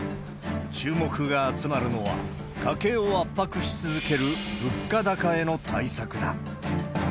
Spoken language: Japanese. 注目が集まるのは、家計を圧迫し続ける物価高への対策だ。